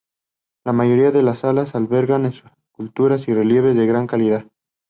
La mayoría de las salas albergan esculturas y relieves de gran calidad.